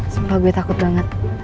sumpah gue takut banget